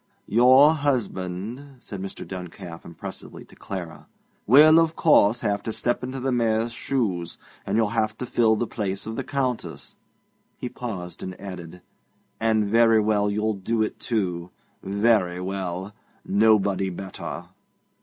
'Your husband,' said Mr. Duncalf impressively to Clara, 'will, of course, have to step into the Mayor's shoes, and you'll have to fill the place of the Countess.' He paused, and added: 'And very well you'll do it, too very well. Nobody better.'